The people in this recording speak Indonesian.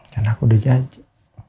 dan aku udah janji